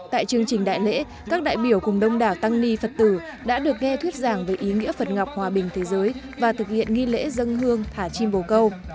tại chương trình đại lễ các đại biểu cùng đông đảo tăng ni phật tử đã được nghe thuyết giảng về ý nghĩa phật ngọc hòa bình thế giới và thực hiện nghi lễ dân hương thả chim bầu câu